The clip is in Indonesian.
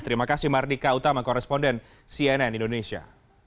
terima kasih mardika utama koresponden cnn indonesia